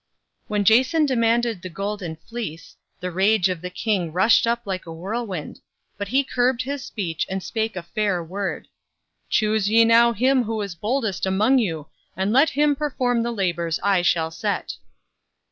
When Jason demanded the Golden Fleece, the rage of the King rushed up like a whirlwind, but he curbed his speech and spake a fair word. "Choose ye now him who is boldest among you and let him perform the labours I shall set."